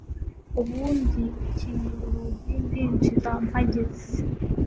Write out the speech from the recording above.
Ubundi ukingura urugi ndinjira mpageze